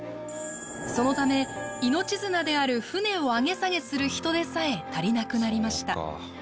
そのため命綱である船を上げ下げする人手さえ足りなくなりました。